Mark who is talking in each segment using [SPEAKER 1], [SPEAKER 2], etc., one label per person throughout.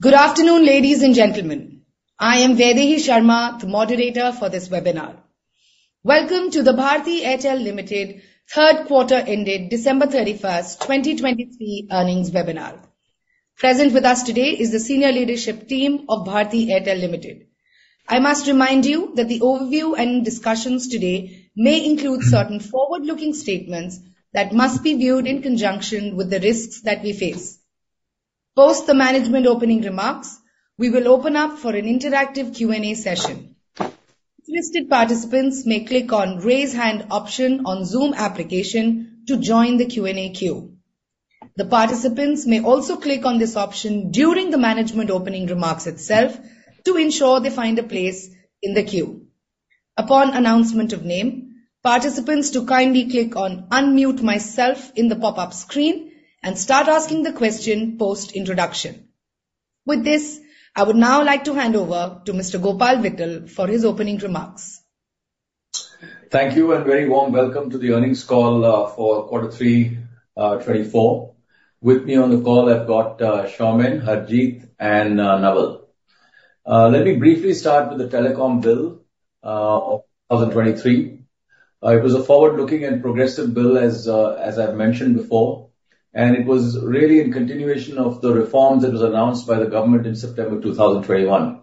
[SPEAKER 1] Good afternoon, ladies and gentlemen. I am Vaidehi Sharma, the moderator for this webinar. Welcome to the Bharti Airtel Limited third quarter, ended December 31, 2023 earnings webinar. Present with us today is the senior leadership team of Bharti Airtel Limited. I must remind you that the overview and discussions today may include certain forward-looking statements that must be viewed in conjunction with the risks that we face. Post the management opening remarks, we will open up for an interactive Q&A session. Interested participants may click on Raise Hand option on Zoom application to join the Q&A queue. The participants may also click on this option during the management opening remarks itself to ensure they find a place in the queue. Upon announcement of name, participants to kindly click on Unmute Myself in the pop-up screen and start asking the question post-introduction. With this, I would now like to hand over to Mr. Gopal Vittal for his opening remarks.
[SPEAKER 2] Thank you, and very warm welcome to the earnings call for quarter 3, 2024. With me on the call, I've got Soumen, Harjeet and Naval. Let me briefly start with the Telecom Bill of 2023. It was a forward-looking and progressive bill as I've mentioned before, and it was really in continuation of the reforms that was announced by the government in September 2021.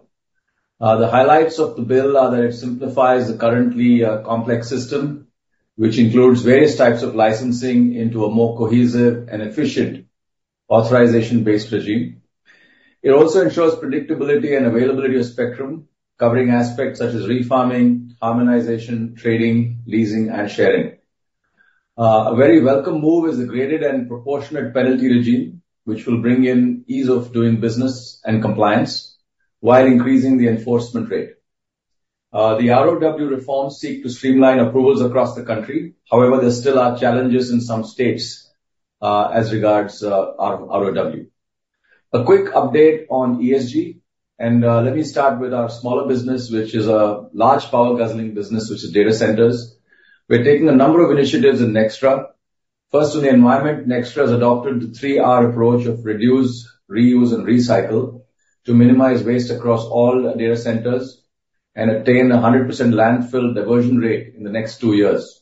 [SPEAKER 2] The highlights of the bill are that it simplifies the currently complex system, which includes various types of licensing into a more cohesive and efficient authorization-based regime. It also ensures predictability and availability of spectrum, covering aspects such as refarming, harmonization, trading, leasing, and sharing. A very welcome move is the graded and proportionate penalty regime, which will bring in ease of doing business and compliance while increasing the enforcement rate. The ROW reforms seek to streamline approvals across the country. However, there still are challenges in some states, as regards, our ROW. A quick update on ESG, and, let me start with our smaller business, which is a large power guzzling business, which is data centers. We're taking a number of initiatives in Nxtra. First, on the environment, Nxtra has adopted the three R approach of reduce, reuse, and recycle to minimize waste across all data centers and attain a 100% landfill diversion rate in the next two years.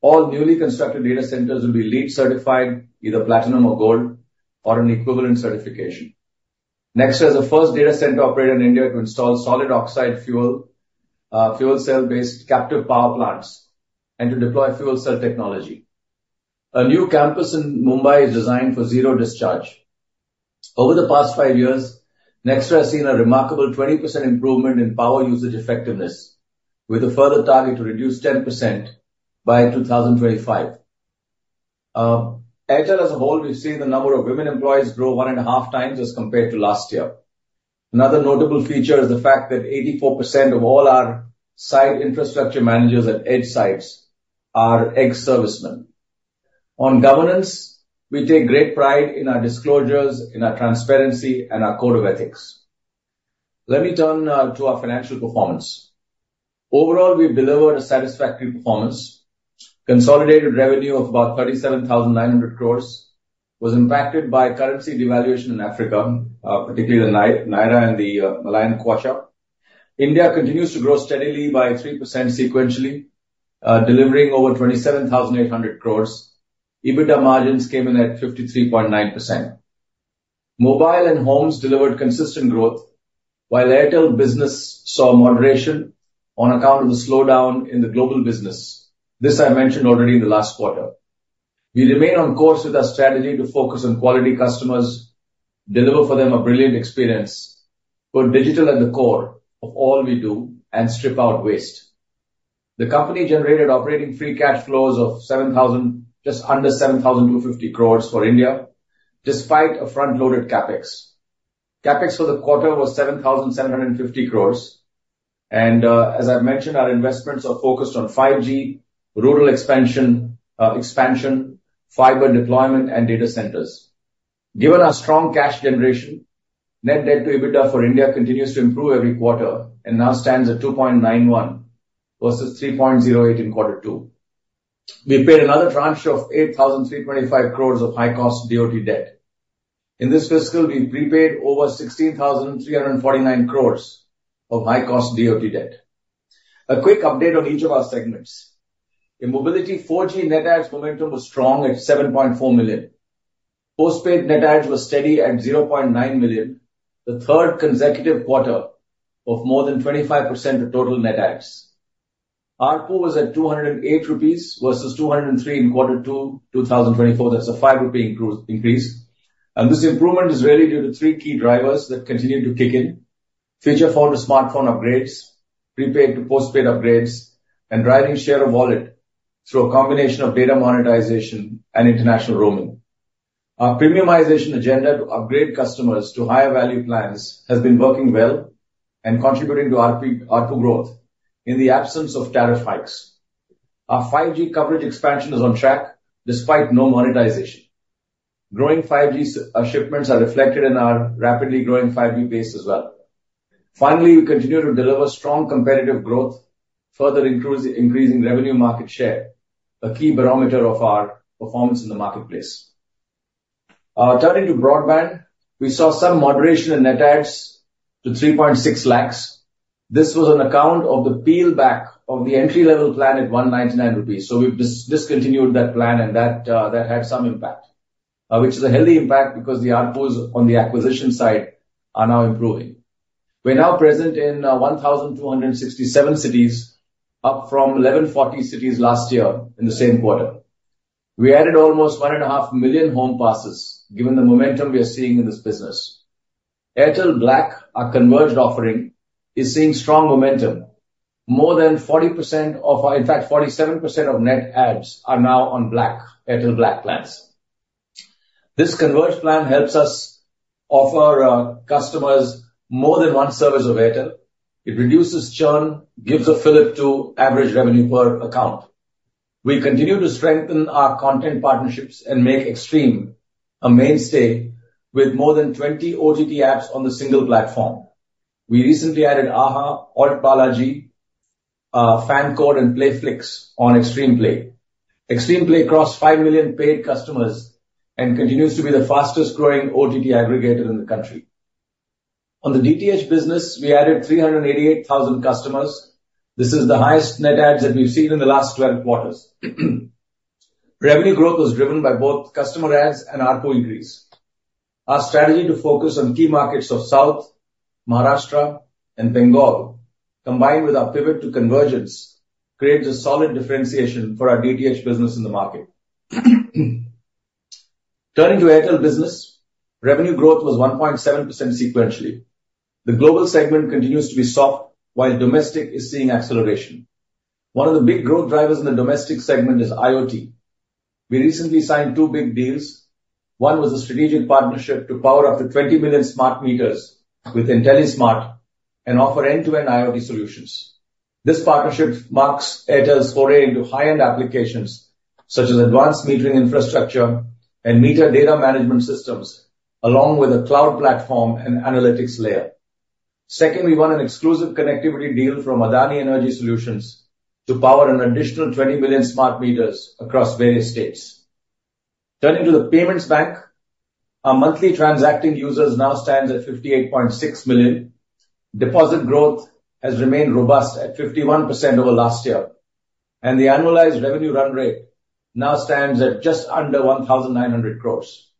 [SPEAKER 2] All newly constructed data centers will be LEED certified, either Platinum or Gold, or an equivalent certification. Nxtra is the first data center operator in India to install solid oxide fuel, fuel cell-based captive power plants and to deploy fuel cell technology. A new campus in Mumbai is designed for zero discharge. Over the past five years, Nxtra has seen a remarkable 20% improvement in power usage effectiveness, with a further target to reduce 10% by 2025. Airtel as a whole, we've seen the number of women employees grow 1.5 times as compared to last year. Another notable feature is the fact that 84% of all our site infrastructure managers at edge sites are ex-servicemen. On governance, we take great pride in our disclosures, in our transparency, and our code of ethics. Let me turn to our financial performance. Overall, we delivered a satisfactory performance. Consolidated revenue of about 37,900 crore was impacted by currency devaluation in Africa, particularly the Naira and the Malawian Kwacha. India continues to grow steadily by 3% sequentially, delivering over 27,800 crore. EBITDA margins came in at 53.9%. Mobile and homes delivered consistent growth, while Airtel Business saw moderation on account of the slowdown in the global business. This I mentioned already in the last quarter. We remain on course with our strategy to focus on quality customers, deliver for them a brilliant experience, put digital at the core of all we do, and strip out waste. The company generated operating free cash flows of 7,000... just under 7,250 crores for India, despite a front-loaded CapEx. CapEx for the quarter was 7,750 crores, and, as I've mentioned, our investments are focused on 5G, rural expansion, expansion, fiber deployment, and data centers. Given our strong cash generation, net debt to EBITDA for India continues to improve every quarter and now stands at 2.91 versus 3.08 in quarter two. We paid another tranche of 8,325 crore of high-cost DoT debt. In this fiscal, we've prepaid over 16,349 crore of high-cost DoT debt. A quick update on each of our segments. In Mobility, 4G net adds momentum was strong at 7.4 million. Postpaid net adds was steady at 0.9 million, the third consecutive quarter of more than 25% of total net adds. ARPU was at 208 rupees versus 203 in quarter two, 2024. That's an 5 rupee increase, and this improvement is really due to three key drivers that continue to kick in: feature phone to smartphone upgrades, prepaid to postpaid upgrades, and driving share of wallet through a combination of data monetization and international roaming. Our premiumization agenda to upgrade customers to higher value plans has been working well and contributing to ARPU, ARPU growth in the absence of tariff hikes. Our 5G coverage expansion is on track despite no monetization. Growing 5G shipments are reflected in our rapidly growing 5G base as well. Finally, we continue to deliver strong competitive growth, further increasing revenue market share, a key barometer of our performance in the marketplace. Turning to broadband, we saw some moderation in net adds to 3.6 lakhs. This was on account of the peel back of the entry-level plan at 199 rupees. We've discontinued that plan, and that had some impact. Which is a healthy impact because the ARPU on the acquisition side are now improving. We're now present in 1,267 cities, up from 1,140 cities last year in the same quarter. We added almost 1.5 million home passes, given the momentum we are seeing in this business. Airtel Black, our converged offering, is seeing strong momentum. More than 40% of our... In fact, 47% of net adds are now on Black, Airtel Black plans. This converged plan helps us offer customers more than one service of Airtel. It reduces churn, gives a fillip to average revenue per account. We continue to strengthen our content partnerships and make Xstream a mainstay with more than 20 OTT apps on a single platform. We recently added Aha, Hotstar, FanCode and Playflix on Xstream Play. Xstream Play crossed 5 million paid customers and continues to be the fastest growing OTT aggregator in the country. On the DTH business, we added 388,000 customers. This is the highest net adds that we've seen in the last 12 quarters. Revenue growth was driven by both customer adds and ARPU increase. Our strategy to focus on key markets of South, Maharashtra and Bengal, combined with our pivot to convergence, creates a solid differentiation for our DTH business in the market. Turning to Airtel Business, revenue growth was 1.7% sequentially. The global segment continues to be soft, while domestic is seeing acceleration. One of the big growth drivers in the domestic segment is IoT. We recently signed two big deals. One was a strategic partnership to power up to 20 million smart meters with IntelliSmart and offer end-to-end IoT solutions. This partnership marks Airtel's foray into high-end applications, such as advanced metering infrastructure and meter data management systems, along with a cloud platform and analytics layer. Second, we won an exclusive connectivity deal from Adani Energy Solutions to power an additional 20 million smart meters across various states. Turning to the payments bank, our monthly transacting users now stands at 58.6 million. Deposit growth has remained robust at 51% over last year, and the annualized revenue run rate now stands at just under 1,900 crores.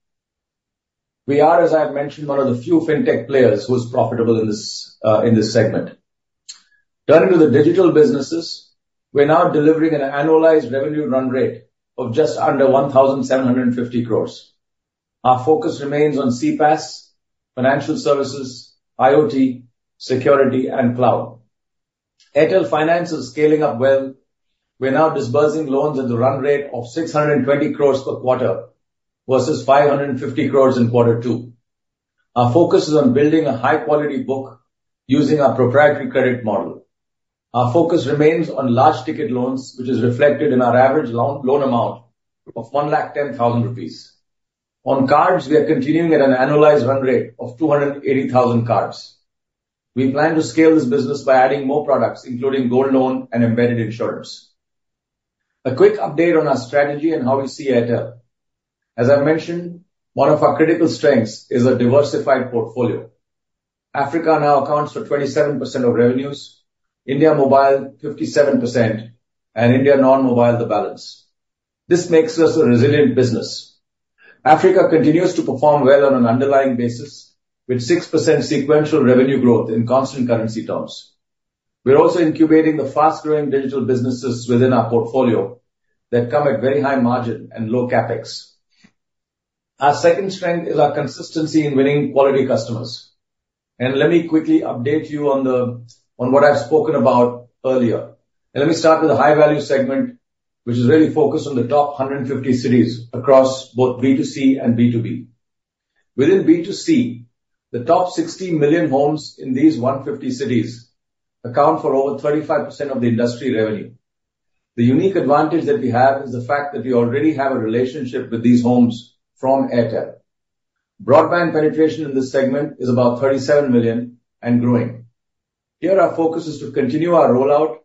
[SPEAKER 2] We are, as I have mentioned, one of the few fintech players who's profitable in this, in this segment. Turning to the digital businesses, we're now delivering an annualized revenue run rate of just under 1,750 crores. Our focus remains on CPaaS, financial services, IoT, security, and cloud. Airtel Finance is scaling up well. We are now disbursing loans at a run rate of 620 crores per quarter, versus 550 crores in quarter two. Our focus is on building a high-quality book using our proprietary credit model. Our focus remains on large ticket loans, which is reflected in our average loan amount of 110,000 rupees. On cards, we are continuing at an annualized run rate of 280,000 cards. We plan to scale this business by adding more products, including gold loan and embedded insurance. A quick update on our strategy and how we see Airtel. As I mentioned, one of our critical strengths is a diversified portfolio. Africa now accounts for 27% of revenues, India Mobile, 57%, and India Non-Mobile, the balance. This makes us a resilient business. Africa continues to perform well on an underlying basis, with 6% sequential revenue growth in constant currency terms. We are also incubating the fast-growing digital businesses within our portfolio that come at very high margin and low CapEx. Our second strength is our consistency in winning quality customers. Let me quickly update you on the what I've spoken about earlier. Let me start with the high value segment, which is really focused on the top 150 cities across both B2C and B2B. Within B2C, the top 60 million homes in these 150 cities account for over 35% of the industry revenue. The unique advantage that we have is the fact that we already have a relationship with these homes from Airtel. Broadband penetration in this segment is about 37 million and growing. Here, our focus is to continue our rollout,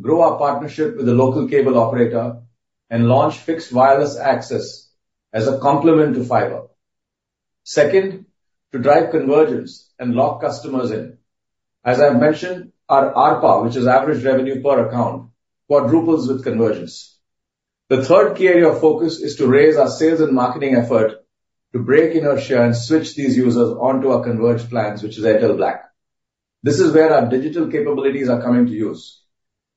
[SPEAKER 2] grow our partnership with the local cable operator, and launch fixed wireless access as a complement to fiber. Second, to drive convergence and lock customers in. As I have mentioned, our ARPA, which is Average Revenue Per Account, quadruples with convergence. The third key area of focus is to raise our sales and marketing effort to break inertia and switch these users onto our converged plans, which is Airtel Black. This is where our digital capabilities are coming to use.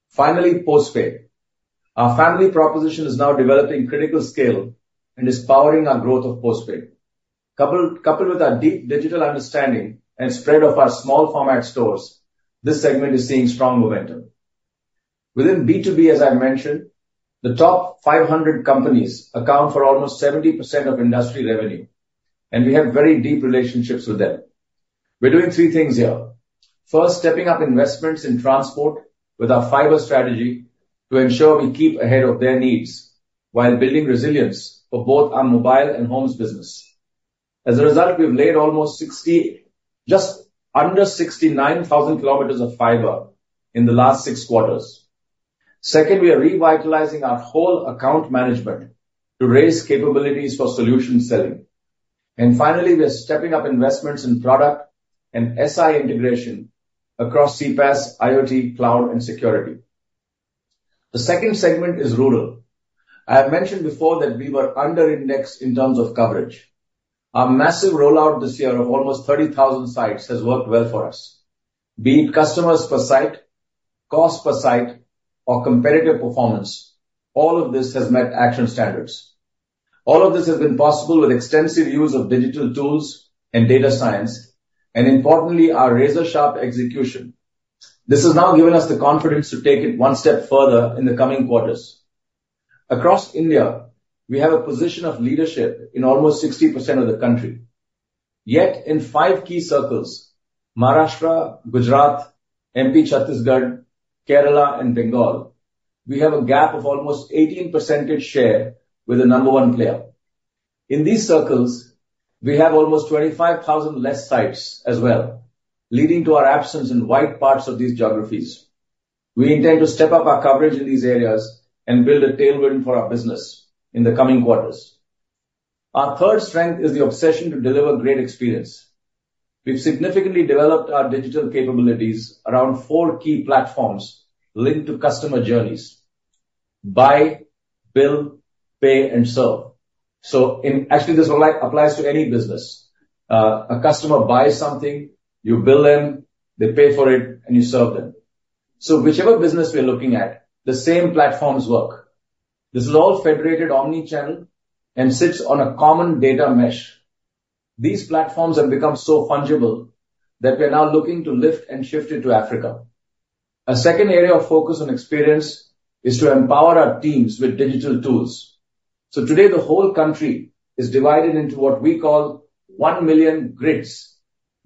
[SPEAKER 2] Finally, postpaid. Our family proposition is now developing critical scale and is powering our growth of postpaid. Coupled with our deep digital understanding and spread of our small format stores, this segment is seeing strong momentum. Within B to B, as I mentioned, the top 500 companies account for almost 70% of industry revenue, and we have very deep relationships with them. We're doing three things here: First, stepping up investments in transport with our fiber strategy to ensure we keep ahead of their needs, while building resilience for both our mobile and homes business. As a result, we've laid almost 60, just under 69,000 kilometers of fiber in the last six quarters. Second, we are revitalizing our whole account management to raise capabilities for solution selling. And finally, we are stepping up investments in product and SI integration across CPaaS, IoT, cloud, and security. The second segment is rural. I have mentioned before that we were under-indexed in terms of coverage. Our massive rollout this year of almost 30,000 sites has worked well for us. Be it customers per site, cost per site, or competitive performance, all of this has met action standards. All of this has been possible with extensive use of digital tools and data science, and importantly, our razor-sharp execution. This has now given us the confidence to take it one step further in the coming quarters. Across India, we have a position of leadership in almost 60% of the country. Yet in five key circles, Maharashtra, Gujarat, MP Chhattisgarh, Kerala, and Bengal, we have a gap of almost 18% share with the number one player. In these circles, we have almost 25,000 less sites as well, leading to our absence in wide parts of these geographies. We intend to step up our coverage in these areas and build a tailwind for our business in the coming quarters. Our third strength is the obsession to deliver great experience. We've significantly developed our digital capabilities around four key platforms linked to customer journeys: buy, build, pay, and serve. Actually, this applies to any business. A customer buys something, you bill them, they pay for it, and you serve them. So whichever business we are looking at, the same platforms work. This is all federated omni-channel and sits on a common data mesh. These platforms have become so fungible that we are now looking to lift and shift into Africa. A second area of focus on experience is to empower our teams with digital tools. So today, the whole country is divided into what we call 1 million grids.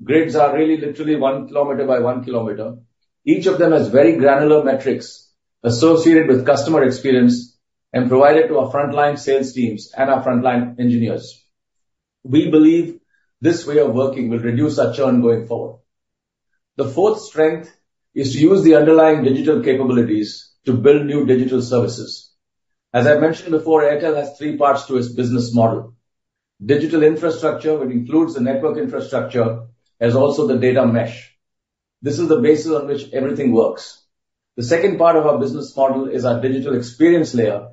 [SPEAKER 2] Grids are really literally one kilometer by one kilometer. Each of them has very granular metrics associated with customer experience and provided to our frontline sales teams and our frontline engineers. We believe this way of working will reduce our churn going forward. The fourth strength is to use the underlying digital capabilities to build new digital services. As I mentioned before, Airtel has three parts to its business model. Digital infrastructure, which includes the network infrastructure, as also the Data Mesh. This is the basis on which everything works. The second part of our business model is our digital experience layer,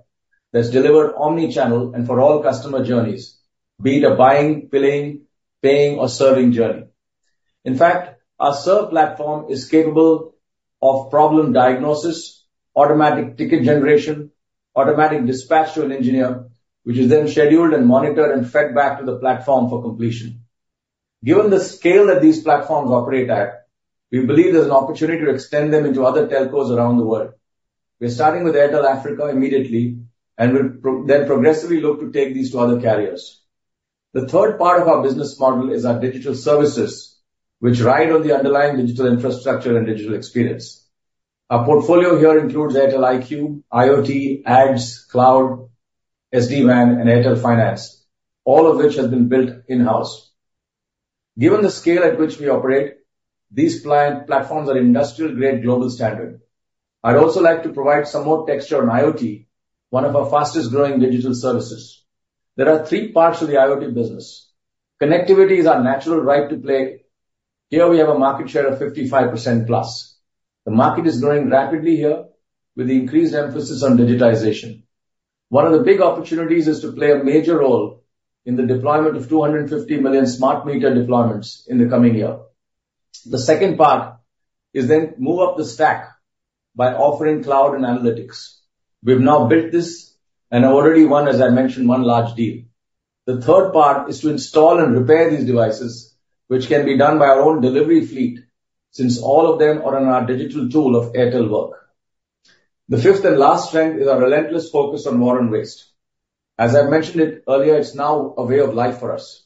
[SPEAKER 2] that's delivered omni-channel and for all customer journeys, be it a buying, billing, paying, or serving journey. In fact, our serve platform is capable of problem diagnosis, automatic ticket generation, automatic dispatch to an engineer, which is then scheduled and monitored and fed back to the platform for completion. Given the scale that these platforms operate at, we believe there's an opportunity to extend them into other telcos around the world. We're starting with Airtel Africa immediately, and we'll then progressively look to take these to other carriers. The third part of our business model is our digital services, which ride on the underlying digital infrastructure and digital experience. Our portfolio here includes Airtel IQ, IoT, Ads, Cloud, SD-WAN, and Airtel Finance, all of which have been built in-house. Given the scale at which we operate, these platforms are industrial-grade, global standard. I'd also like to provide some more texture on IoT, one of our fastest growing digital services. There are three parts to the IoT business. Connectivity is our natural right to play. Here we have a market share of 55% plus. The market is growing rapidly here with the increased emphasis on digitization. One of the big opportunities is to play a major role in the deployment of 250 million smart meter deployments in the coming year. The second part is then move up the stack by offering cloud and analytics. We've now built this and already won, as I mentioned, one large deal. The third part is to install and repair these devices, which can be done by our own delivery fleet, since all of them are on our digital tool of Airtel Work. The fifth and last strength is our relentless focus on more on waste. As I mentioned it earlier, it's now a way of life for us.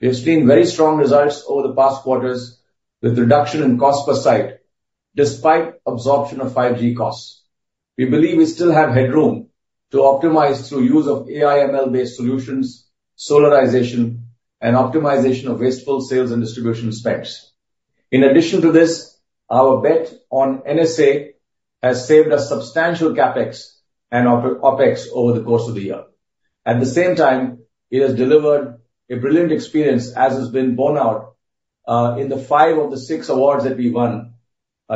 [SPEAKER 2] We've seen very strong results over the past quarters with reduction in cost per site, despite absorption of 5G costs. We believe we still have headroom to optimize through use of AI, ML-based solutions, solarization, and optimization of wasteful sales and distribution specs. In addition to this, our bet on NSA has saved us substantial CapEx and OpEx over the course of the year. At the same time, it has delivered a brilliant experience, as has been borne out in the five of the six awards that we won,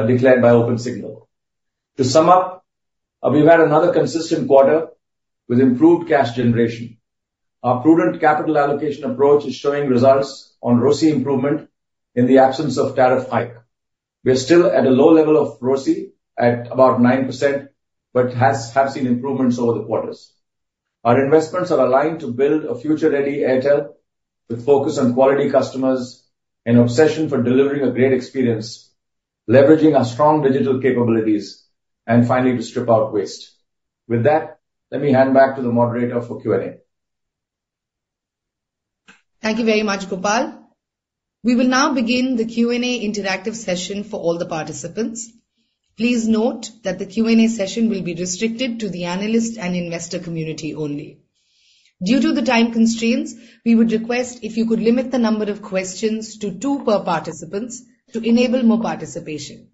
[SPEAKER 2] declared by Opensignal. To sum up, we've had another consistent quarter with improved cash generation. Our prudent capital allocation approach is showing results on ROCE improvement in the absence of tariff hike. We are still at a low level of ROCE, at about 9%, but have seen improvements over the quarters. Our investments are aligned to build a future-ready Airtel, with focus on quality customers and obsession for delivering a great experience, leveraging our strong digital capabilities, and finally, to strip out waste. With that, let me hand back to the moderator for Q&A.
[SPEAKER 1] Thank you very much, Gopal. We will now begin the Q&A interactive session for all the participants. Please note that the Q&A session will be restricted to the analyst and investor community only. Due to the time constraints, we would request if you could limit the number of questions to two per participants to enable more participation.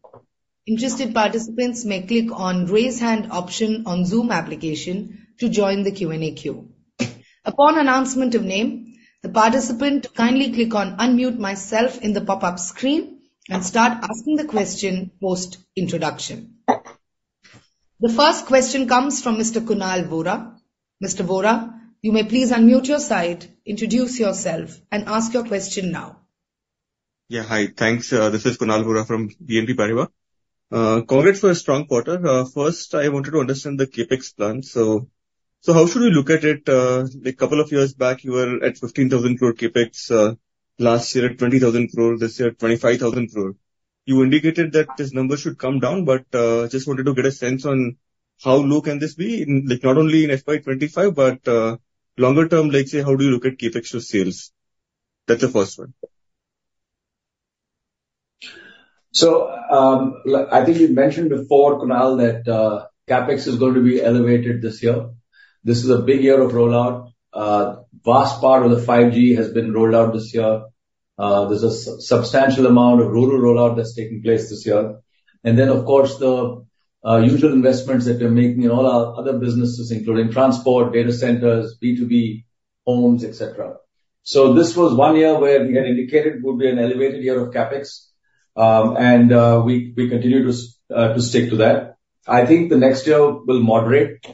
[SPEAKER 1] Interested participants may click on Raise Hand option on Zoom application to join the Q&A queue. Upon announcement of name, the participant kindly click on Unmute Myself in the pop-up screen and start asking the question post-introduction. The first question comes from Mr. Kunal Vora. Mr. Vora, you may please unmute your side, introduce yourself, and ask your question now.
[SPEAKER 3] Yeah. Hi. Thanks. This is Kunal Vora from BNP Paribas. Congrats for a strong quarter. First, I wanted to understand the CapEx plan. So, so how should we look at it? Like, couple of years back, you were at 15,000 crore CapEx, last year at 20,000 crore, this year at 25,000 crore. You indicated that this number should come down, but, just wanted to get a sense on how low can this be, in, like, not only in FY 2025, but, longer term, like, say, how do you look at CapEx to sales? That's the first one.
[SPEAKER 2] I think we've mentioned before, Kunal, that, CapEx is going to be elevated this year. This is a big year of rollout. Vast part of the 5G has been rolled out this year. There's a substantial amount of rural rollout that's taking place this year. And then, of course, the, usual investments that we're making in all our other businesses, including transport, data centers, B2B, homes, et cetera. This was one year where we had indicated would be an elevated year of CapEx, and, we continue to stick to that. I think the next year will moderate,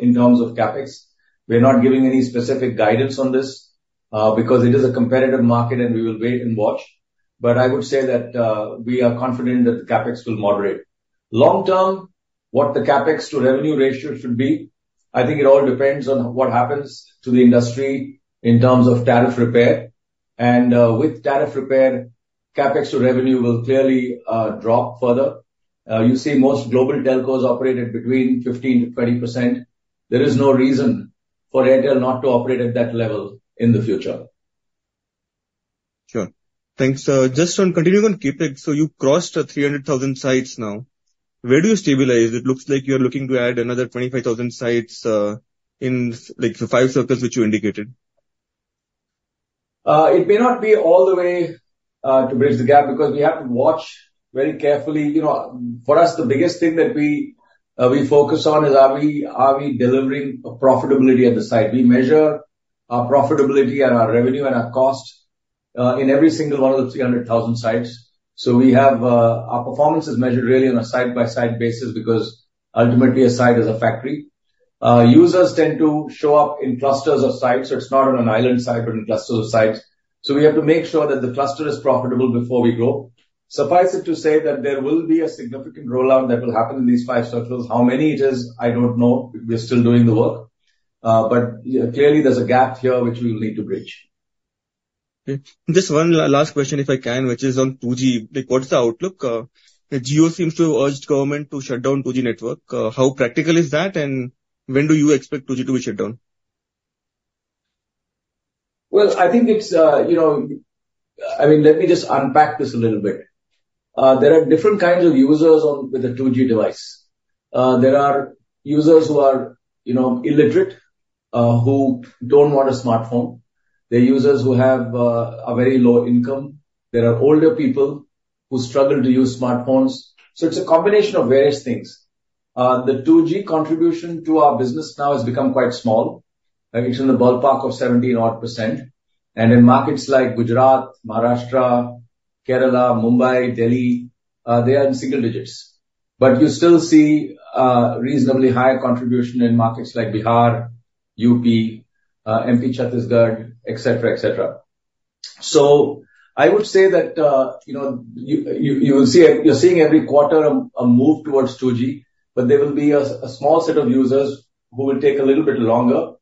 [SPEAKER 2] in terms of CapEx. We're not giving any specific guidance on this, because it is a competitive market and we will wait and watch. I would say that we are confident that the CapEx will moderate. Long term, what the CapEx to revenue ratio should be, I think it all depends on what happens to the industry in terms of tariff repair. With tariff repair, CapEx to revenue will clearly drop further. You see, most global telcos operate at between 15%-20%. There is no reason for Airtel not to operate at that level in the future.
[SPEAKER 3] Sure. Thanks. Just on continuing on CapEx, so you crossed 300,000 sites now. Where do you stabilize? It looks like you're looking to add another 25,000 sites, in, like, the five circles which you indicated.
[SPEAKER 2] It may not be all the way to bridge the gap, because we have to watch very carefully. You know, for us, the biggest thing that we we focus on is are we, are we delivering a profitability at the site? We measure our profitability and our revenue and our cost in every single one of the 300,000 sites. Our performance is measured really on a site-by-site basis, because ultimately, a site is a factory. Users tend to show up in clusters of sites, so it's not on an island site, but in clusters of sites. So we have to make sure that the cluster is profitable before we go. Suffice it to say that there will be a significant rollout that will happen in these 5 circles. How many it is, I don't know. We're still doing the work. But, yeah, clearly there's a gap here which we will need to bridge.
[SPEAKER 3] Okay. Just one last question, if I can, which is on 2G. Like, what is the outlook? Jio seems to have urged government to shut down 2G network. How practical is that, and when do you expect 2G to be shut down?
[SPEAKER 2] Well, I think it's, you know, I mean, let me just unpack this a little bit. There are different kinds of users on, with a 2G device. There are users who are, you know, illiterate, who don't want a smartphone. There are users who have, a very low income. There are older people who struggle to use smartphones. So it's a combination of various things. The 2G contribution to our business now has become quite small. It's in the ballpark of 70-odd%. And in markets like Gujarat, Maharashtra, Kerala, Mumbai, Delhi, they are in single digits. But you still see, reasonably high contribution in markets like Bihar, UP, MP, Chhattisgarh, et cetera, et cetera. I would say that, you know, you, you'll see you're seeing every quarter a move towards 2G, but there will be a small set of users who will take a little bit longer.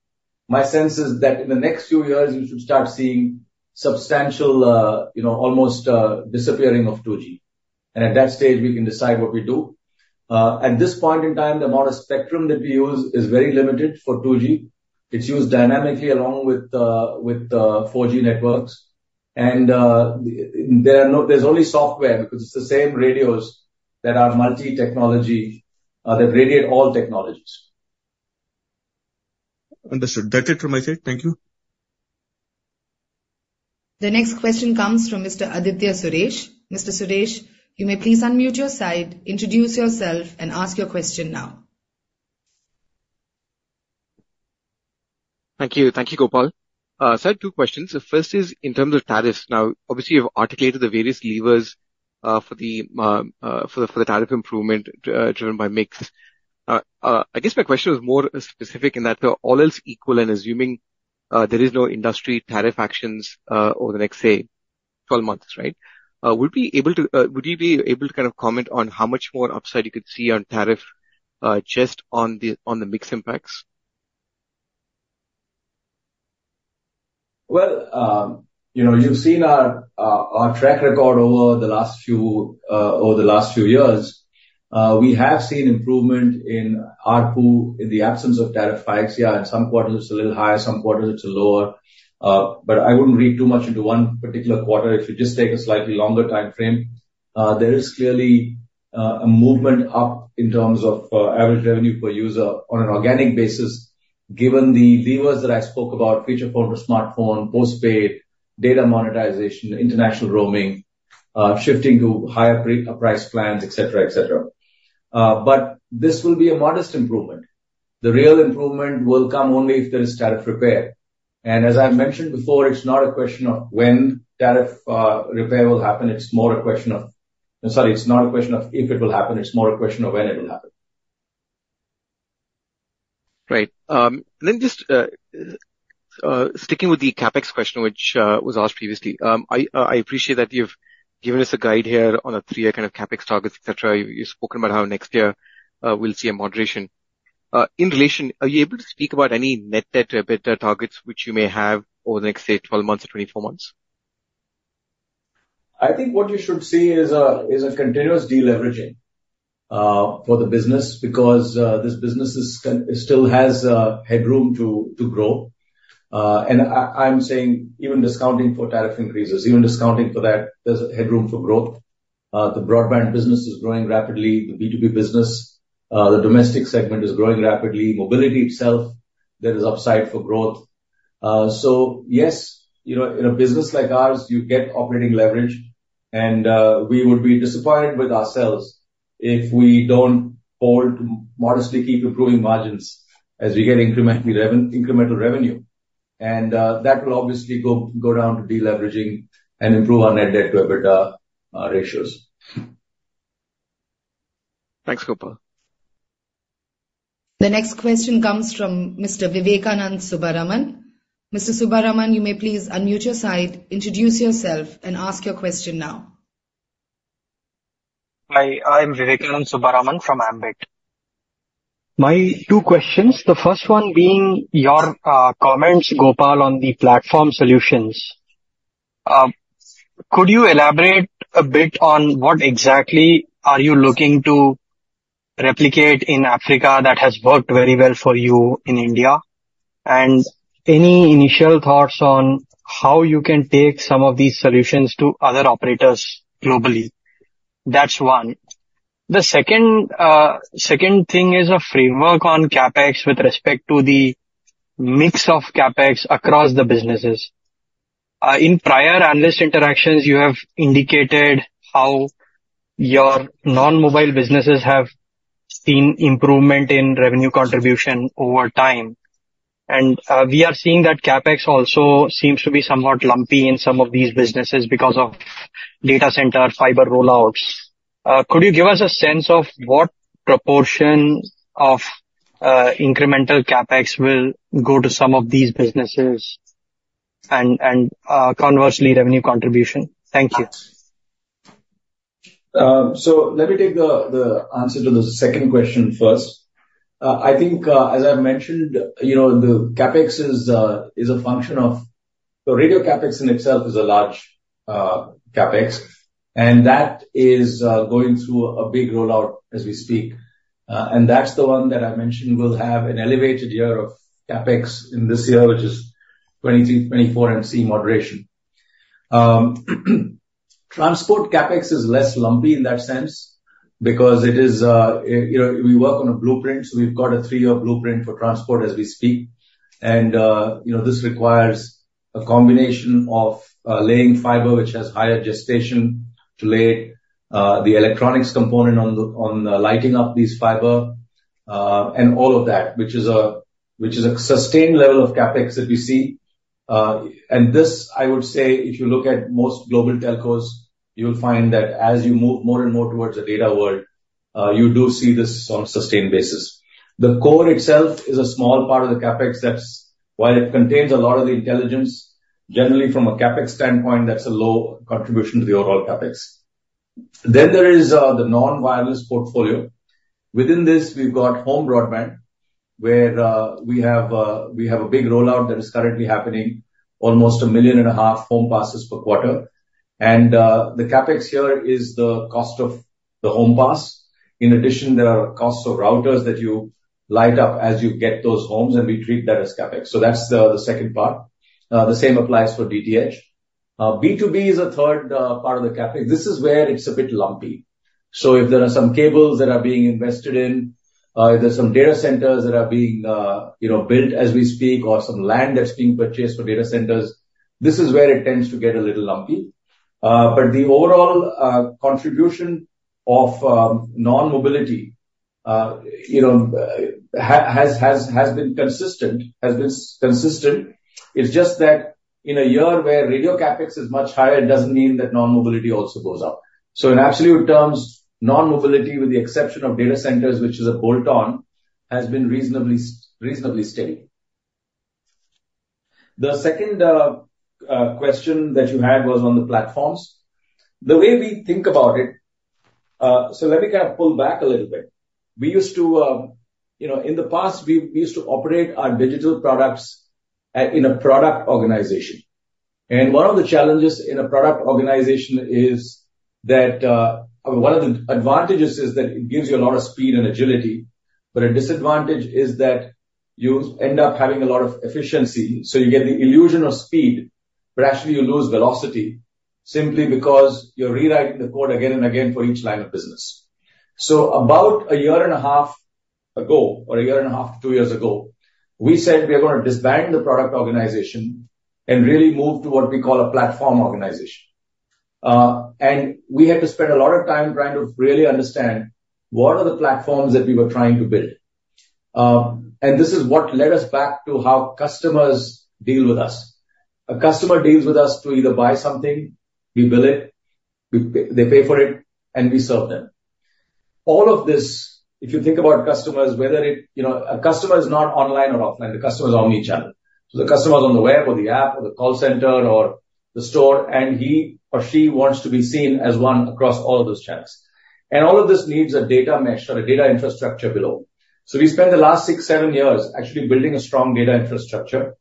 [SPEAKER 2] My sense is that in the next few years, you should start seeing substantial, you know, almost, disappearing of 2G. And at that stage, we can decide what we do. At this point in time, the amount of spectrum that we use is very limited for 2G. It's used dynamically along with with the 4G networks. And, there's only software, because it's the same radios that are multi-technology, that radiate all technologies.
[SPEAKER 3] Understood. That's it from my side. Thank you.
[SPEAKER 1] The next question comes from Mr. Aditya Suresh. Mr. Suresh, you may please unmute your side, introduce yourself, and ask your question now.
[SPEAKER 4] Thank you. Thank you, Gopal. So I had two questions. The first is in terms of tariffs. Now, obviously, you've articulated the various levers for the tariff improvement driven by mix. I guess my question was more specific in that, all else equal and assuming there is no industry tariff actions over the next, say, 12 months, right? Would be able to, would you be able to kind of comment on how much more upside you could see on tariff just on the mix impacts?
[SPEAKER 2] You've seen our track record over the last few years. We have seen improvement in ARPU in the absence of tariff hikes. Yeah, in some quarters it's a little higher, some quarters it's lower. But I wouldn't read too much into one particular quarter. If you just take a slightly longer timeframe, there is clearly a movement up in terms of average revenue per user on an organic basis, given the levers that I spoke about, feature phone to smartphone, postpaid, data monetization, international roaming, shifting to higher pre-priced plans, et cetera, et cetera. But this will be a modest improvement. The real improvement will come only if there is tariff repair. As I mentioned before, it's not a question of if it will happen. It's more a question of when it will happen.
[SPEAKER 4] Right. And then just, sticking with the CapEx question, which was asked previously. I appreciate that you've given us a guide here on a three-year kind of CapEx targets, et cetera. You've spoken about how next year, we'll see a moderation. In relation, are you able to speak about any net debt to EBITDA targets, which you may have over the next, say, 12 months or 24 months?
[SPEAKER 2] What you should see is a continuous deleveraging for the business, because this business is still has headroom to grow. And I'm saying even discounting for tariff increases, even discounting for that, there's headroom for growth. The broadband business is growing rapidly, the B2B business, the domestic segment is growing rapidly. Mobility itself, there is upside for growth. So yes, you know, in a business like ours, you get operating leverage, and we would be disappointed with ourselves if we don't hold modestly keep improving margins as we get incremental revenue. And that will obviously go down to deleveraging and improve our net debt to EBITDA ratios.
[SPEAKER 4] Thanks, Gopal.
[SPEAKER 1] The next question comes from Mr. Vivekananda Subbaraman. Mr. Subbaraman, you may please unmute your side, introduce yourself and ask your question now.
[SPEAKER 5] Hi, I'm Vivekananda Subbaraman from Ambit. My two questions, the first one being your comments, Gopal, on the platform solutions. Could you elaborate a bit on what exactly are you looking to replicate in Africa that has worked very well for you in India? And any initial thoughts on how you can take some of these solutions to other operators globally? That's one. The second thing is a framework on CapEx with respect to the mix of CapEx across the businesses. In prior analyst interactions, you have indicated how your non-mobile businesses have seen improvement in revenue contribution over time. And we are seeing that CapEx also seems to be somewhat lumpy in some of these businesses because of data center, fiber rollouts. Could you give us a sense of what proportion of incremental CapEx will go to some of these businesses and conversely, revenue contribution? Thank you.
[SPEAKER 2] Let me take the, the answer to the second question first. I think, as I mentioned, you know, the CapEx is, is a function of... The radio CapEx in itself is a large, CapEx, and that is, going through a big rollout as we speak. And that's the one that I mentioned will have an elevated year of CapEx in this year, which is 2023, 2024, and see moderation. Transport CapEx is less lumpy in that sense because it is, you know, we work on a blueprint, so we've got a three-year blueprint for transport as we speak. This requires a combination of laying fiber, which has higher gestation to lay, the electronics component on the, on lighting up these fiber, and all of that, which is a, which is a sustained level of CapEx that we see. And this, I would say, if you look at most global telcos, you'll find that as you move more and more towards the data world, you do see this on a sustained basis. The core itself is a small part of the CapEx. That's, while it contains a lot of the intelligence, generally from a CapEx standpoint, that's a low contribution to the overall CapEx. Then there is the non-wireless portfolio. Within this, we've got home broadband, where we have a big rollout that is currently happening, almost 1.5 million home passes per quarter. And the CapEx here is the cost of the home pass. In addition, there are costs of routers that you light up as you get those homes, and we treat that as CapEx. So that's the second part. The same applies for DTH. B2B is the third part of the CapEx. This is where it's a bit lumpy. So if there are some cables that are being invested in, if there's some data centers that are being, you know, built as we speak, or some land that's being purchased for data centers, this is where it tends to get a little lumpy. The overall contribution of non-mobility, you know, has been consistent, has been consistent. It's just that in a year where radio CapEx is much higher, it doesn't mean that non-mobility also goes up. So in absolute terms, non-mobility, with the exception of data centers, which is a bolt-on, has been reasonably steady. The second question that you had was on the platforms. The way we think about it. So let me kind of pull back a little bit. We used to, you know, in the past, we used to operate our digital products at, in a product organization. One of the challenges in a product organization is that, one of the advantages is that it gives you a lot of speed and agility, but a disadvantage is that you end up having a lot of efficiency, so you get the illusion of speed, but actually you lose velocity simply because you're rewriting the code again and again for each line of business. So about a year and a half ago, or a year and a half, two years ago, we said we are going to disband the product organization and really move to what we call a platform organization. And we had to spend a lot of time trying to really understand what are the platforms that we were trying to build. And this is what led us back to how customers deal with us. A customer deals with us to either buy something, we bill it, we, they pay for it, and we serve them. All of this, if you think about customers, whether it... You know, a customer is not online or offline, the customer is omnichannel. So the customer is on the web or the app or the call center or the store, and he or she wants to be seen as one across all of those channels. And all of this needs a data mesh or a data infrastructure below. So we spent the last 6-7 years actually building a strong data infrastructure.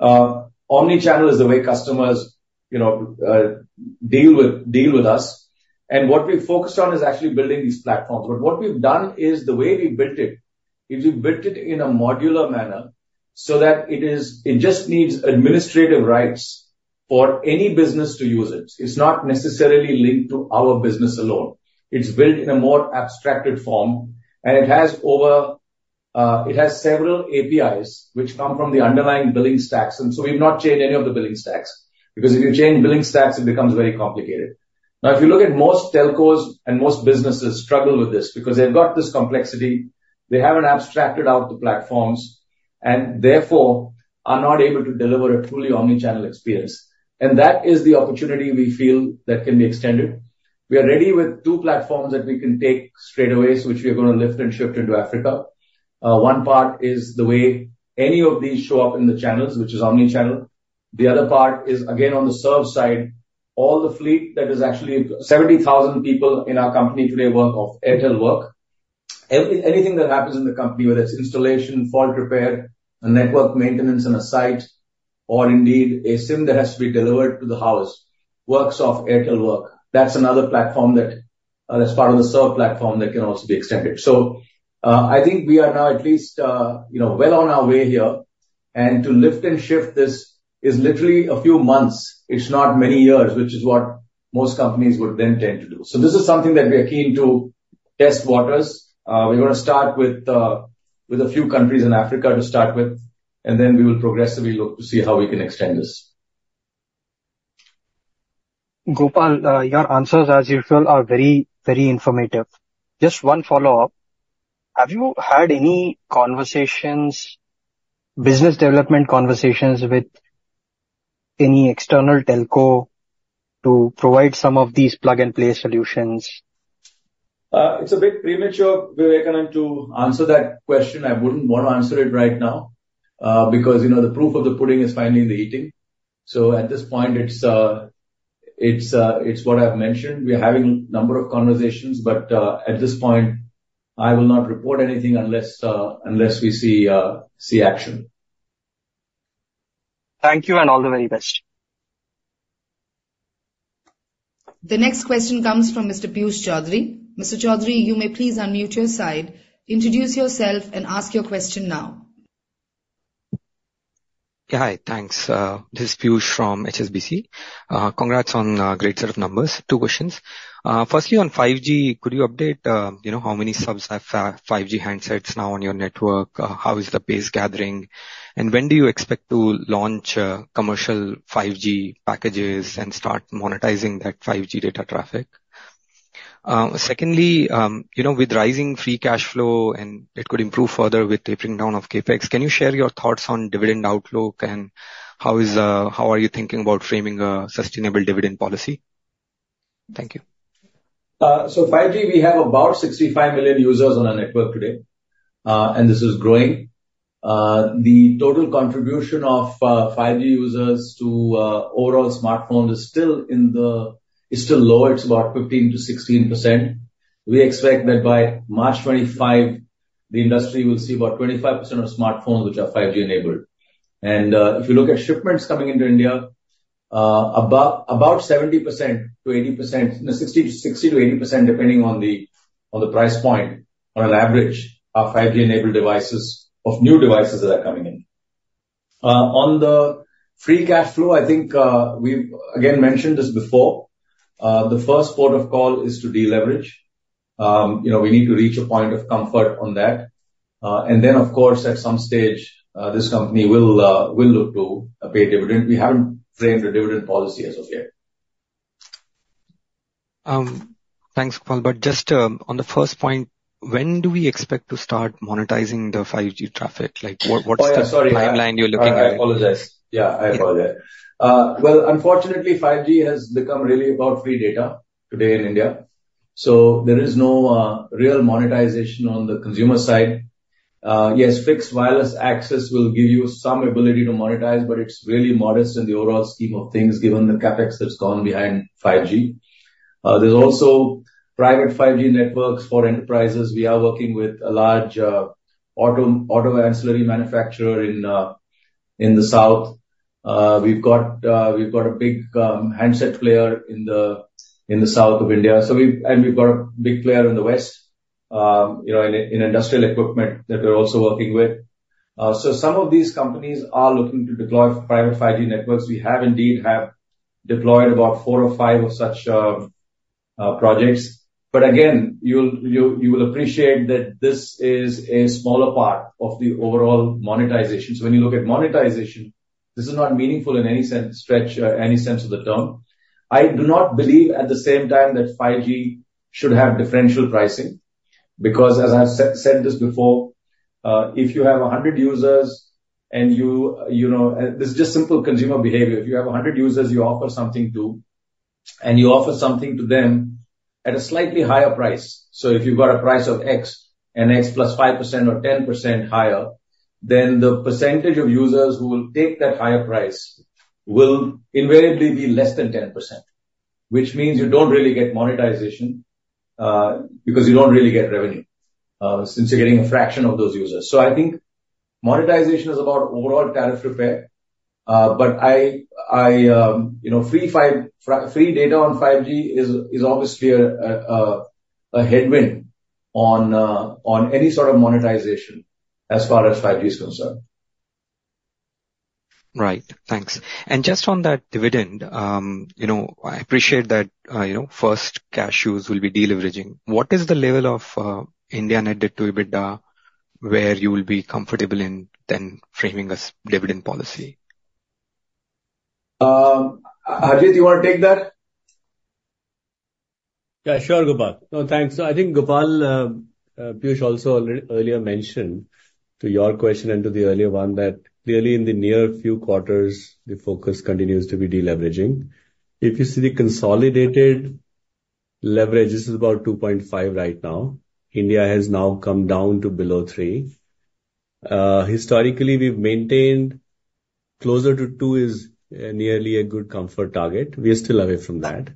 [SPEAKER 2] Omnichannel is the way customers, you know, deal with, deal with us, and what we've focused on is actually building these platforms. What we've done is, the way we built it, is we've built it in a modular manner so that it is, it just needs administrative rights for any business to use it. It's not necessarily linked to our business alone. It's built in a more abstracted form, and it has several APIs which come from the underlying billing stacks. And so we've not changed any of the billing stacks, because if you change billing stacks, it becomes very complicated. Now, if you look at most telcos, and most businesses struggle with this because they've got this complexity, they haven't abstracted out the platforms, and therefore are not able to deliver a truly omnichannel experience. And that is the opportunity we feel that can be extended. We are ready with two platforms that we can take straightaway, which we are going to lift and shift into Africa. One part is the way any of these show up in the channels, which is omnichannel. The other part is, again, on the serve side, all the fleet that is actually 70,000 people in our company today work off Airtel Work. Anything that happens in the company, whether it's installation, fault repair, a network maintenance on a site, or indeed a SIM that has to be delivered to the house, works off Airtel Work. That's another platform that, that's part of the serve platform that can also be extended. So, I think we are now at least, you know, well on our way here. And to lift and shift this is literally a few months. It's not many years, which is what most companies would then tend to do. So this is something that we are keen to test waters. We're gonna start with, with a few countries in Africa to start with, and then we will progressively look to see how we can extend this.
[SPEAKER 5] Gopal, your answers, as usual, are very, very informative. Just one follow-up. Have you had any conversations, business development conversations, with any external telco to provide some of these plug-and-play solutions?
[SPEAKER 2] It's a bit premature, Vivekananda, to answer that question. I wouldn't want to answer it right now, because, you know, the proof of the pudding is finding the eating. So at this point, it's what I've mentioned. We are having a number of conversations, but at this point, I will not report anything unless we see action.
[SPEAKER 5] Thank you, and all the very best.
[SPEAKER 1] The next question comes from Mr. Piyush Choudhary. Mr. Chaudhary, you may please unmute your side, introduce yourself, and ask your question now.
[SPEAKER 6] Yeah. Hi, thanks. This is Piyush from HSBC. Congrats on a great set of numbers. Two questions. Firstly, on 5G, could you update, you know, how many subs have 5G handsets now on your network? How is the pace gathering? And when do you expect to launch commercial 5G packages and start monetizing that 5G data traffic? Secondly, you know, with rising free cash flow, and it could improve further with the bring down of CapEx, can you share your thoughts on dividend outlook, and how are you thinking about framing a sustainable dividend policy? Thank you.
[SPEAKER 2] So 5G, we have about 65 million users on our network today, and this is growing. The total contribution of 5G users to overall smartphone is still in the... It's still low, it's about 15%-16%. We expect that by March 2025, the industry will see about 25% of smartphones, which are 5G-enabled. And, if you look at shipments coming into India, about, about 70%-80%, no, 60%-80%, depending on the price point, on an average, are 5G-enabled devices, of new devices that are coming in. On the free cash flow, I think, we've again mentioned this before, the first port of call is to deleverage. You know, we need to reach a point of comfort on that. And then, of course, at some stage, this company will look to pay a dividend. We haven't framed a dividend policy as of yet.
[SPEAKER 6] Thanks, Gopal. But just, on the first point, when do we expect to start monetizing the 5G traffic? Like, what, what's the-
[SPEAKER 2] Oh, yeah, sorry.
[SPEAKER 6] Timeline you're looking at?
[SPEAKER 2] I apologize. Yeah, I apologize. Well, unfortunately, 5G has become really about free data today in India, so there is no real monetization on the consumer side... Yes, fixed wireless access will give you some ability to monetize, but it's really modest in the overall scheme of things, given the CapEx that's gone behind 5G. There's also private 5G networks for enterprises. We are working with a large auto ancillary manufacturer in the south. We've got a big handset player in the south of India. So we've and we've got a big player in the west, you know, in industrial equipment that we're also working with. So some of these companies are looking to deploy private 5G networks. We have indeed deployed about four or five of such projects. You will appreciate that this is a smaller part of the overall monetization. So when you look at monetization, this is not meaningful in any sense, stretch, any sense of the term. I do not believe, at the same time, that 5G should have differential pricing, because as I've said this before, if you have 100 users and you know... This is just simple consumer behavior. If you have 100 users, you offer something to, and you offer something to them at a slightly higher price. So if you've got a price of X, and X + 5% or 10% higher, then the percentage of users who will take that higher price will invariably be less than 10%. Which means you don't really get monetization, because you don't really get revenue, since you're getting a fraction of those users. So I think monetization is about overall tariff repair. But you know, free 5G, free data on 5G is obviously a headwind on any sort of monetization as far as 5G is concerned.
[SPEAKER 6] Right. Thanks. And just on that dividend, you know, I appreciate that, you know, first cash use will be deleveraging. What is the level of India net debt to EBITDA, where you will be comfortable in then framing a dividend policy?
[SPEAKER 2] Harjeet, do you want to take that?
[SPEAKER 7] Yeah, sure, Gopal. No, thanks. So I think, Gopal, Piyush also already earlier mentioned to your question and to the earlier one, that clearly in the near few quarters, the focus continues to be deleveraging. If you see the consolidated leverage, this is about 2.5 right now. India has now come down to below 3. Historically, we've maintained closer to 2 is nearly a good comfort target. We are still away from that.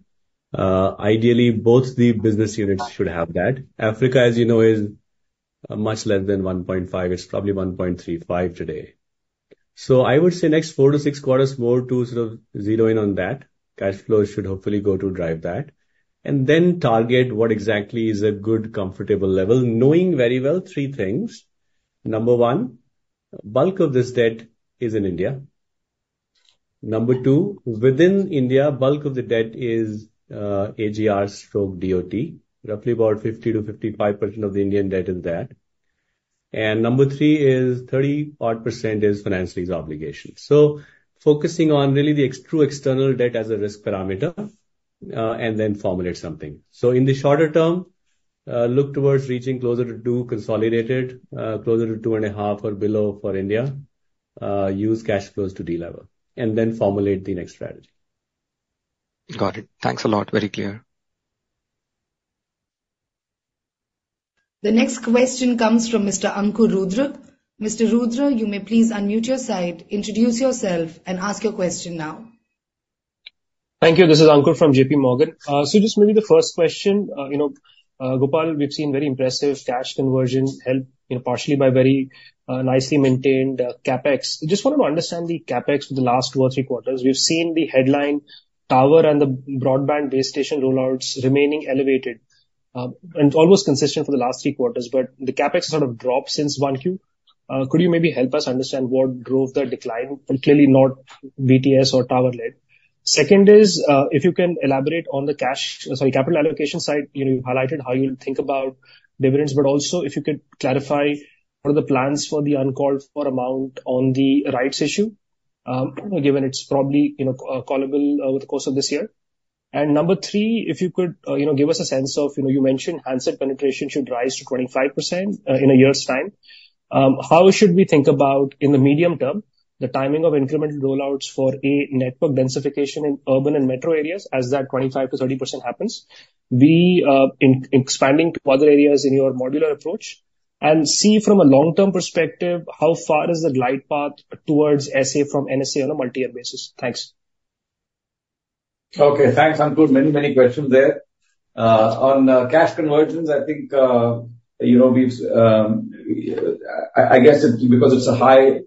[SPEAKER 7] Ideally, both the business units should have that. Africa, as you know, is much less than 1.5. It's probably 1.35 today. So I would say next 4-6 quarters, more to sort of zero in on that. Cash flow should hopefully go to drive that, and then target what exactly is a good, comfortable level, knowing very well three things: number one, bulk of this debt is in India. Number two, within India, bulk of the debt is, AGR/DoT, roughly about 50%-55% of the Indian debt is that. And number three is 30-odd% is financial lease obligation. So focusing on really the ex-true external debt as a risk parameter, and then formulate something. So in the shorter term, look towards reaching closer to 2 consolidated, closer to 2.5 or below for India. Use cash flows to delever, and then formulate the next strategy.
[SPEAKER 6] Got it. Thanks a lot. Very clear.
[SPEAKER 1] The next question comes from Mr. Ankur Rudra. Mr. Rudra, you may please unmute your side, introduce yourself and ask your question now.
[SPEAKER 8] Thank you. This is Ankur from J.P. Morgan. So just maybe the first question, you know, Gopal, we've seen very impressive cash conversion help, you know, partially by very nicely maintained CapEx. Just wanted to understand the CapEx for the last two or three quarters. We've seen the headline tower and the broadband base station rollouts remaining elevated, and almost consistent for the last three quarters, but the CapEx has sort of dropped since 1Q. Could you maybe help us understand what drove the decline? But clearly not BTS or tower-led. Second is, if you can elaborate on the cash, sorry, capital allocation side. You highlighted how you think about dividends, but also if you could clarify what are the plans for the uncalled for amount on the rights issue, given it's probably, you know, callable, over the course of this year. And number three, if you could, you know, give us a sense of, you know, you mentioned handset penetration should rise to 25%, in a year's time. How should we think about, in the medium term, the timing of incremental rollouts for, A, network densification in urban and metro areas as that 25%-30% happens? B, in expanding to other areas in your modular approach, and C, from a long-term perspective, how far is the light path towards SA from NSA on a multi-year basis? Thanks.
[SPEAKER 2] Okay, thanks, Ankur. Many, many questions there. On cash conversions, I think you know we've. I guess it's because it's a high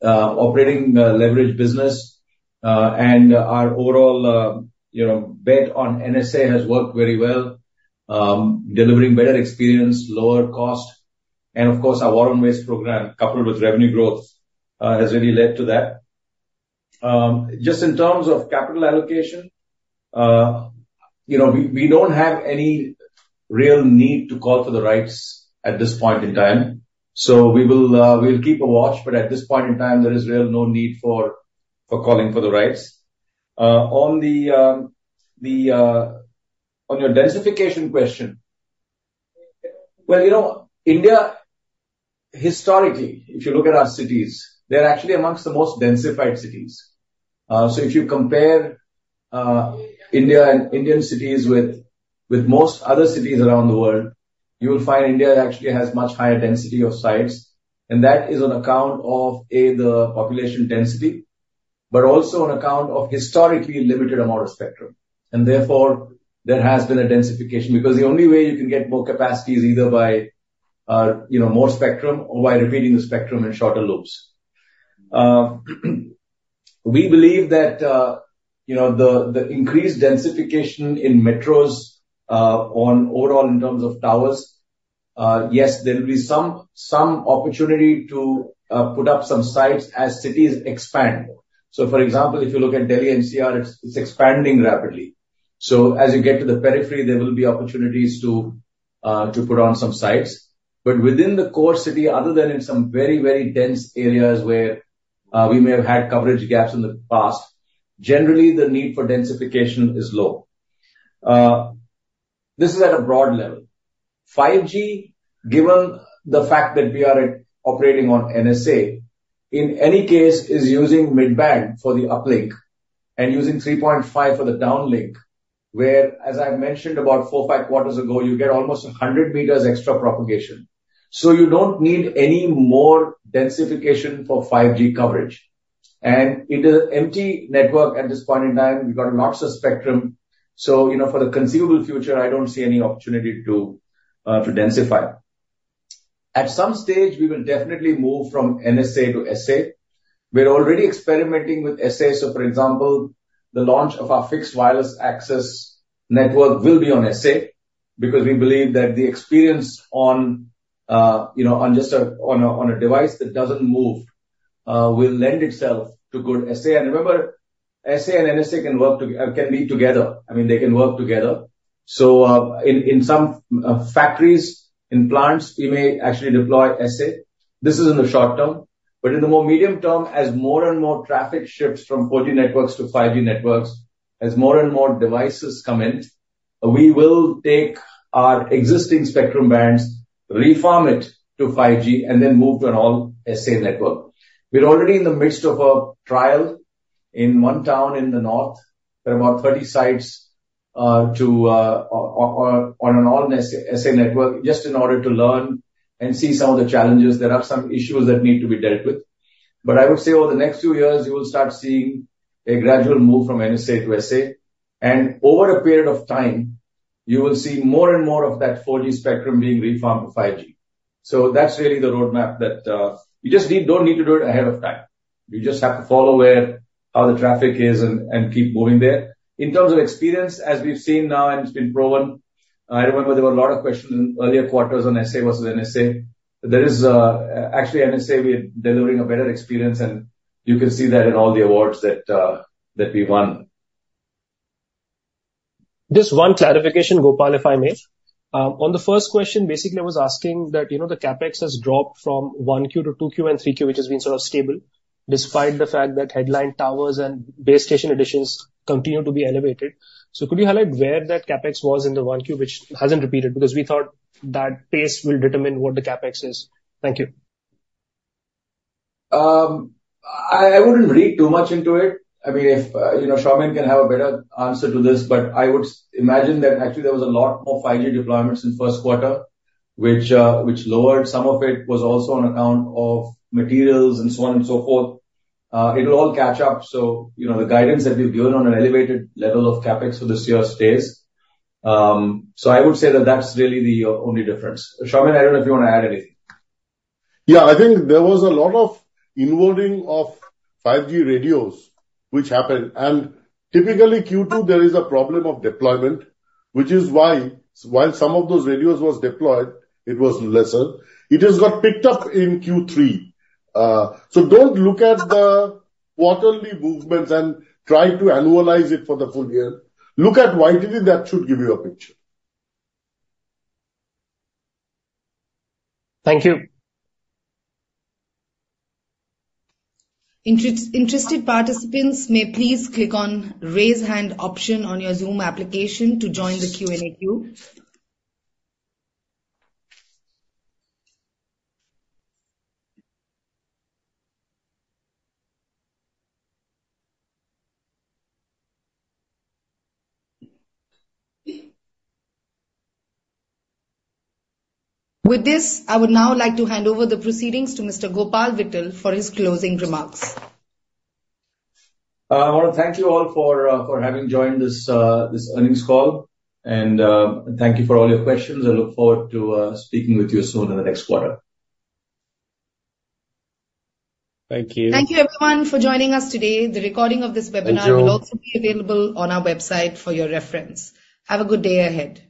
[SPEAKER 2] operating leverage business, and our overall you know bet on NSA has worked very well, delivering better experience, lower cost, and of course, our warm waste program, coupled with revenue growth, has really led to that. Just in terms of capital allocation, you know, we don't have any real need to call for the rights at this point in time, so we will we'll keep a watch, but at this point in time, there is really no need for calling for the rights. On your densification question, well, you know, India, historically, if you look at our cities, they're actually among the most densified cities.... If you compare India and Indian cities with most other cities around the world, you will find India actually has much higher density of sites, and that is on account of A, the population density, but also on account of historically limited amount of spectrum. Therefore, there has been a densification, because the only way you can get more capacity is either by you know, more spectrum or by repeating the spectrum in shorter loops. We believe that you know, the increased densification in metros, on overall in terms of towers, yes, there will be some opportunity to put up some sites as cities expand. So for example, if you look at Delhi NCR, it's expanding rapidly. So as you get to the periphery, there will be opportunities to put on some sites. Within the core city, other than in some very, very dense areas where we may have had coverage gaps in the past, generally, the need for densification is low. This is at a broad level. 5G, given the fact that we are operating on NSA, in any case, is using mid-band for the uplink and using 3.5 for the downlink, where, as I mentioned about 4-5 quarters ago, you get almost 100 meters extra propagation. You don't need any more densification for 5G coverage. And in the MT network, at this point in time, we've got lots of spectrum, so, you know, for the conceivable future, I don't see any opportunity to densify. At some stage, we will definitely move from NSA to SA. We're already experimenting with SA. For example, the launch of our fixed wireless access network will be on SA, because we believe that the experience on, you know, on just a device that doesn't move, will lend itself to good SA. And remember, SA and NSA can work together - can be together. I mean, they can work together. So, in some factories, in plants, we may actually deploy SA. This is in the short term, but in the more medium term, as more and more traffic shifts from 4G networks to 5G networks, as more and more devices come in, we will take our existing spectrum bands, reform it to 5G, and then move to an all SA network. We're already in the midst of a trial in one town in the north. There are about 30 sites to on an all NSA SA network, just in order to learn and see some of the challenges. There are some issues that need to be dealt with. But I would say over the next two years, you will start seeing a gradual move from NSA to SA, and over a period of time, you will see more and more of that 4G spectrum being refarmed to 5G. So that's really the roadmap that we just need... don't need to do it ahead of time. We just have to follow where, how the traffic is and keep moving there. In terms of experience, as we've seen now, and it's been proven, I remember there were a lot of questions in earlier quarters on SA versus NSA. There is actually NSA. We are delivering a better experience, and you can see that in all the awards that we won.
[SPEAKER 8] Just one clarification, Gopal, if I may. On the first question, basically, I was asking that, you know, the CapEx has dropped from 1Q to 2Q and 3Q, which has been sort of stable, despite the fact that headline towers and base station additions continue to be elevated. So could you highlight where that CapEx was in the 1Q, which hasn't repeated? Because we thought that pace will determine what the CapEx is. Thank you.
[SPEAKER 2] I wouldn't read too much into it. I mean, if you know, Soumen can have a better answer to this, but I would imagine that actually there was a lot more 5G deployments in first quarter, which lowered. Some of it was also on account of materials and so on and so forth. It will all catch up. So, you know, the guidance that we've given on an elevated level of CapEx for this year stays. So I would say that that's really the only difference. Shamim, I don't know if you want to add anything.
[SPEAKER 9] Yeah, I think there was a lot of involving of 5G radios which happened. And typically, Q2, there is a problem of deployment, which is why, while some of those radios was deployed, it was lesser. It has got picked up in Q3. So don't look at the quarterly movements and try to annualize it for the full year. Look at YTD, that should give you a picture.
[SPEAKER 8] Thank you.
[SPEAKER 1] Interested participants, may please click on Raise Hand option on your Zoom application to join the Q&A queue. With this, I would now like to hand over the proceedings to Mr. Gopal Vittal for his closing remarks.
[SPEAKER 2] I want to thank you all for having joined this earnings call. And thank you for all your questions. I look forward to speaking with you soon in the next quarter.
[SPEAKER 8] Thank you.
[SPEAKER 1] Thank you, everyone, for joining us today. The recording of this webinar-
[SPEAKER 9] Thank you.
[SPEAKER 1] Will also be available on our website for your reference. Have a good day ahead.